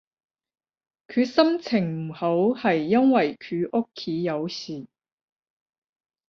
佢心情唔好係因為佢屋企有事